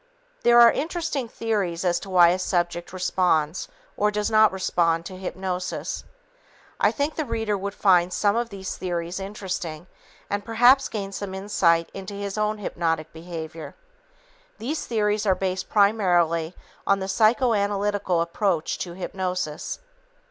There are interesting theories as to why a subject responds or does not respond to hypnosis. I think the reader would find some of these theories interesting and perhaps gain some insight into his own hypnotic behavior. These theories are based primarily on a psychoanalytical approach to hypnosis.